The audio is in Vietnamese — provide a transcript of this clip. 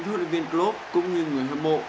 huyền viên club cũng như người hâm mộ